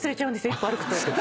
１歩歩くと。